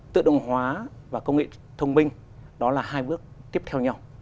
tự động hóa và công nghệ thông minh đó là hai bước tiếp theo nhau